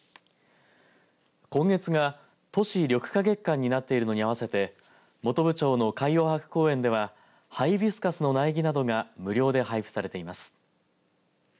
今月が都市緑化月間になっているのに合わせて本部町の海洋博公園ではハイビスカスの苗木などが無料で配布されています。